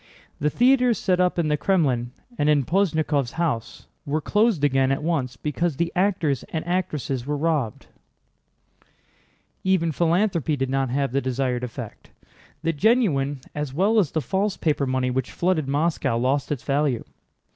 The theaters set up in the Krémlin and in Posnyákov's house were closed again at once because the actors and actresses were robbed. Even philanthropy did not have the desired effect. The genuine as well as the false paper money which flooded Moscow lost its value.